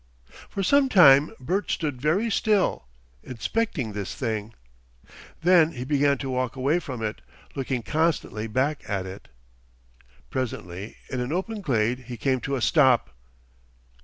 For some time Bert stood very still, inspecting this thing. Then he began to walk away from it, looking constantly back at it. Presently in an open glade he came to a stop.